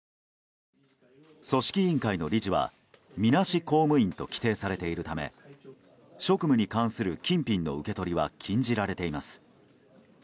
組織委員会の理事はみなし公務員と規定されているため職務に関する金品の受け取りは禁じられています。